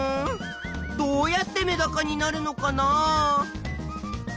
どうやってメダカになるのかな？